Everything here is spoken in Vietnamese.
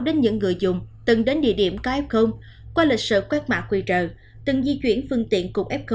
đến những người dùng từng đến địa điểm có f qua lịch sử quét mạ quy trợ từng di chuyển phương tiện cục f